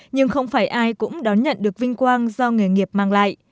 nhưng không phải ai cũng đón nhận được vinh quang do nghề nghiệp mang lại